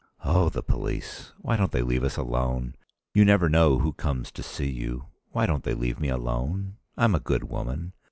"Oh, the police! Why don't they leave us alone? You never know who comes to see you. Why don't they leave me alone? I'm a good woman.